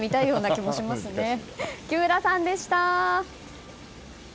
木村さんでした。